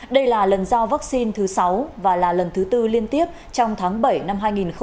đây là lần giao vaccine thứ sáu và là lần thứ tư liên tiếp trong tháng bảy năm hai nghìn hai mươi